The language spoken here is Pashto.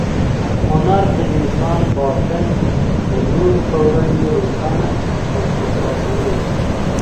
هنر د انسان باطن د نورو په وړاندې روښانه او شفافوي.